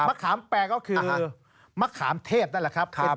ขามแปลก็คือมะขามเทพนั่นแหละครับ